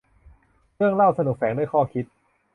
เรื่องเล่าสนุกแฝงด้วยข้อคิด